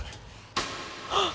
あっ！